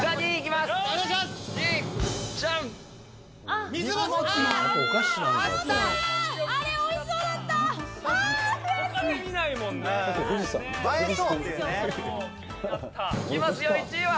いきますよ、１位は。